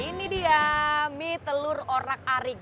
ini dia mie telur orak arik